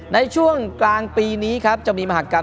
ในช่วงกลางปีนี้ครับจะมีมหากรรม